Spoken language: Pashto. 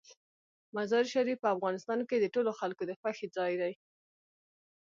مزارشریف په افغانستان کې د ټولو خلکو د خوښې ځای دی.